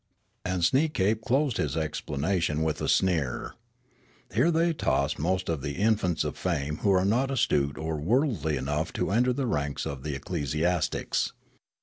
And Sneekape closed his explanation with a sneer. " Here they toss most of the infants of fame who are not astute or worldly enough to enter the ranks of the ecclesiastics.